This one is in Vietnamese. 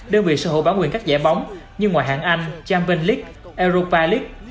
đơn vị sở hữu bán quyền các giải bóng như ngoài hạng anh champions league europa league